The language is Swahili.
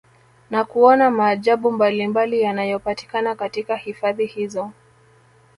Na kuona maajabu mbalimbali yanayopatikana katika hifadhi hizo